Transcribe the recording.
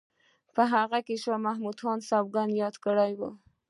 په هغه کې شاه محمد سوګند یاد کړی وو.